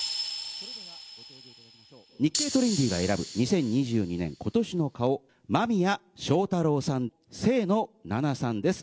日経トレンディが選ぶ２０２２年今年の顔、間宮祥太朗さん、清野菜名さんです。